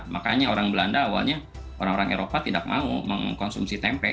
makanya orang belanda awalnya orang orang eropa tidak mau mengkonsumsi tempe